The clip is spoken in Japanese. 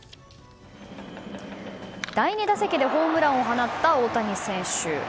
第２打席でホームランを放った大谷選手。